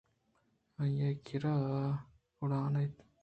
آئی ءِ گردنءَ اڑان اَت